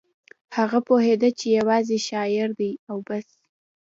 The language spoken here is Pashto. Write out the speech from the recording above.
هغه پوهېده چې یوازې شاعر دی او بس